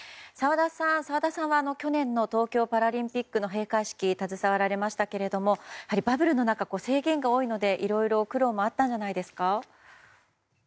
澤田さんは去年の東京パラリンピックの閉会式に携わられましたがバブルの中は制限が多いのでいろいろ苦労もあったんじゃないですか。